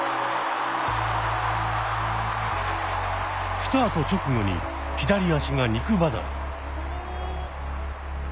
スタート直後に左脚が肉離れ。